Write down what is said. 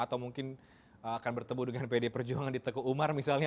atau mungkin akan bertemu dengan pd perjuangan di teguh umar misalnya